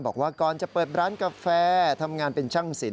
บอกว่าก่อนจะเปิดร้านกาแฟทำงานเป็นช่างสิน